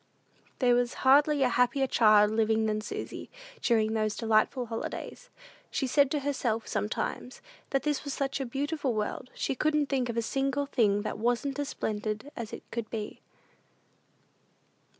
There was hardly a happier child living than Susy, during those delightful holidays. She said to herself, sometimes, that this was such a beautiful world, she couldn't think of a single thing that wasn't as splendid as it could be.